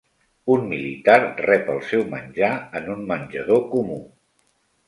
Un militar rep el seu menjar en un menjador comú.